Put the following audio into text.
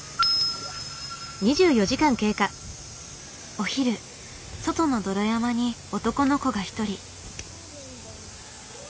お昼外の泥山に男の子が一人。